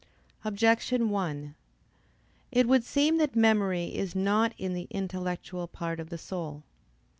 Objection 1: It would seem that memory is not in the intellectual part of the soul.